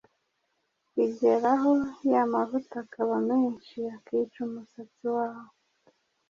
bigeraho ya mavuta akaba menshi akica umusatsi wawe